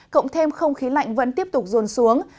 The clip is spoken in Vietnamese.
cộng thêm không khí lạnh vẫn tiếp tục rồn xuống